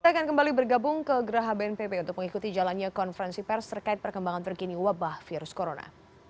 kita akan kembali bergabung ke geraha bnpb untuk mengikuti jalannya konferensi pers terkait perkembangan terkini wabah virus corona